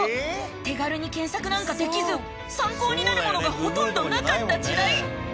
手軽に検索なんかできず参考になるものがほとんどなかった時代。